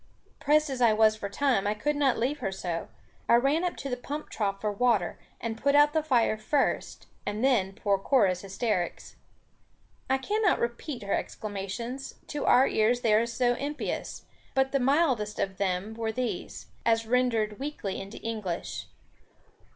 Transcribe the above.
Pressed as I was for time, I could not leave her so. I ran up to the pump trough for water, and put out the fire first, and then poor Cora's hysterics. I cannot repeat her exclamations, to our ears they are so impious; but the mildest of them were these, as rendered weakly into English.